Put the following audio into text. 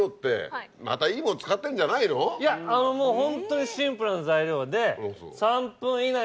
いやあのもうホントにシンプルな材料で。